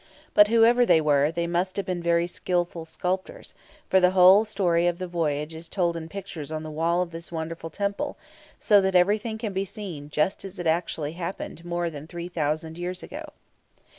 But, whoever they were, they must have been very skilful sculptors; for the story of the voyage is told in pictures on the walls of this wonderful temple, so that everything can be seen just as it actually happened more than three thousand years ago.